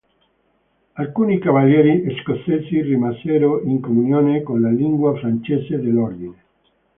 Alcuni Cavalieri scozzesi rimasero in comunione con la Lingua Francese dell'Ordine.